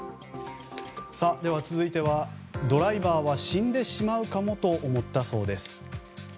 続いては、ドライバーは死んでしまうかもと思ったそうです。